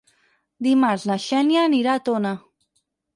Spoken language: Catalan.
Dimarts na Xènia anirà a Tona.